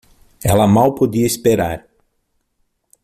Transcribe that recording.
Ela mal podia esperar